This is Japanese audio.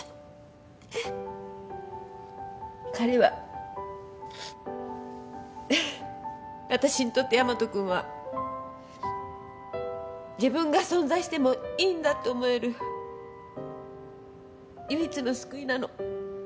彼はあたしにとってヤマト君は自分が存在してもいいんだって思える唯一の救いなの。